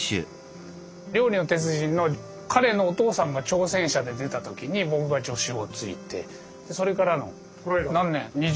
「料理の鉄人」の彼のお父さんが挑戦者で出た時に僕が助手をついてそれからの何年？